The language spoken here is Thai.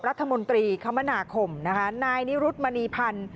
รัฐมนตรีคมนาคมนะคะนายนิรุธมณีพันธ์